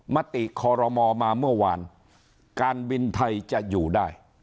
มติคอรมอมาเมื่อวานการบินไทยจะอยู่ได้